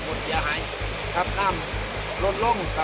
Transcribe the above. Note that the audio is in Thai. พวกมันกำลังพูดได้